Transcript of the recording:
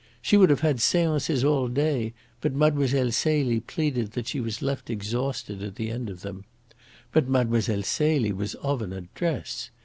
She would have had seances all day, but Mlle. Celie pleaded that she was left exhausted at the end of them. But Mlle. Celie was of an address!